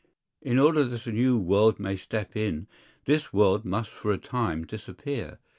In order that a new world may step in, this world must for a time disappear.